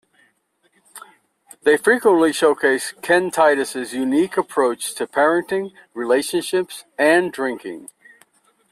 They frequently showcased Ken Titus's unique approach to parenting, relationships, and drinking.